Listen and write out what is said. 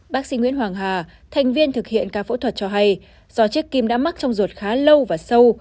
bác sĩ nguyễn hoàng hà thành viên thực hiện ca phẫu thuật cho hay do chiếc kim đã mắc trong ruột khá lâu và sâu